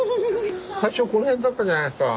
最初この辺だったじゃないですか。